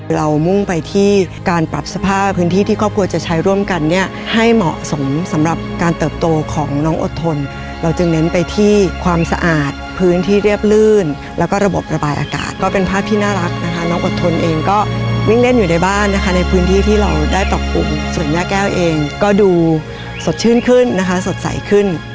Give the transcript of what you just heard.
มุ่งไปที่การปรับสภาพพื้นที่ที่ครอบครัวจะใช้ร่วมกันเนี่ยให้เหมาะสมสำหรับการเติบโตของน้องอดทนเราจึงเน้นไปที่ความสะอาดพื้นที่เรียบลื่นแล้วก็ระบบระบายอากาศก็เป็นภาพที่น่ารักนะคะน้องอดทนเองก็วิ่งเล่นอยู่ในบ้านนะคะในพื้นที่ที่เราได้ปรับปรุงส่วนย่าแก้วเองก็ดูสดชื่นขึ้นนะคะสดใสขึ้น